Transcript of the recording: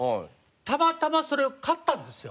たまたまそれを買ったんですよ。